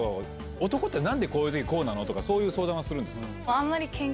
男って何でこういう時こうなの？」とかそういう相談はするんですか？